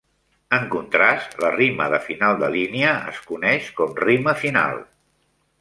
En contrast, la rima de final de línia es coneix com "rima final".